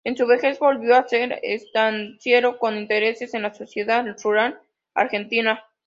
En su vejez volvió a ser estanciero, con intereses en la Sociedad Rural Argentina.